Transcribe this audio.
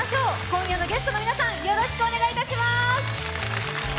今夜のゲストの皆さん、よろしくお願いします。